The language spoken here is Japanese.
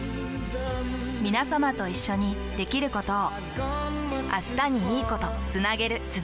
みなさまと一緒にできることを。